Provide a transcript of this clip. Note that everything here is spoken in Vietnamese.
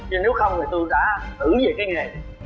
vì nếu không thì tôi đã tử về cái nghề